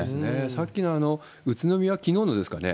さっきのあの宇都宮、きのうのですかね。